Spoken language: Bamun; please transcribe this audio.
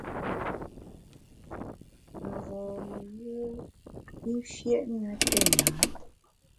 Mgbom-i yùe i fiét na téna.